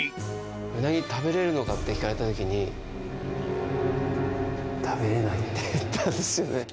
うなぎ食べれるのかって聞かれたときに、食べれないって言ったんですよね。